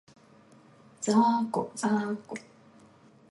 ざーこ、ざーこ